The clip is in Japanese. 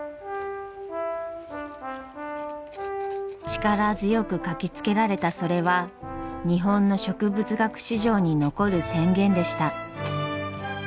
力強く書きつけられたそれは日本の植物学史上に残る宣言でした。